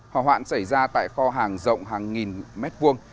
hỏa hoạn xảy ra tại kho hàng rộng hàng nghìn mét vuông